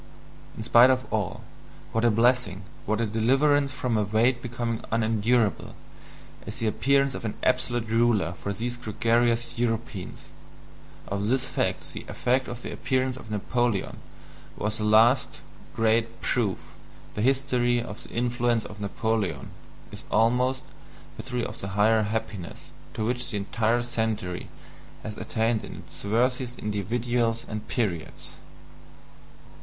In spite of all, what a blessing, what a deliverance from a weight becoming unendurable, is the appearance of an absolute ruler for these gregarious Europeans of this fact the effect of the appearance of Napoleon was the last great proof the history of the influence of Napoleon is almost the history of the higher happiness to which the entire century has attained in its worthiest individuals and periods.